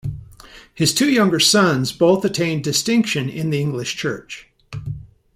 His two younger sons both attained distinction in the English church.